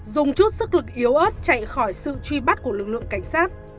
dùng chút sức lực yếu ớt chạy khỏi sự truy bắt của lực lượng cảnh sát